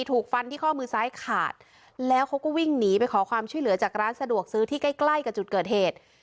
ถูกฟันที่ข้อมือซ้ายขาดแล้วเขาก็วิ่งหนีไปขอความช่วยเหลือจากร้านสะดวกซื้อที่ใกล้ใกล้กับจุดเกิดเหตุ